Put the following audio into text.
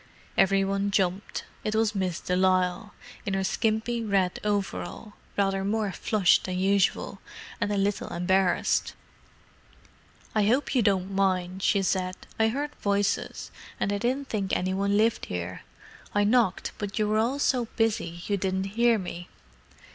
Every one jumped. It was Miss de Lisle, in her skimpy red overall—rather more flushed than usual, and a little embarrassed. "I hope you don't mind," she said. "I heard voices—and I didn't think any one lived here. I knocked, but you were all so busy you didn't hear me."